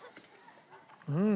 うん！